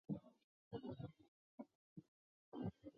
另图书馆柜位可供选购金管局各种刊物及纪念品。